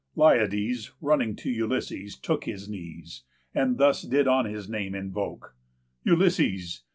Liodes, running to Ulysses, took His knees, and thus did on his name invoke; "Ulysses!